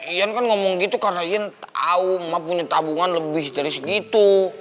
ian kan ngomong gitu karena ian tahu mama punya tabungan lebih dari segitu